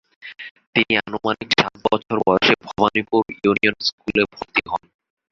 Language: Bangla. তিনি আনুমানিক সাত বছর বয়েসে ভবানীপুর ইউনিয়ন স্কুলে ভর্তি হন ।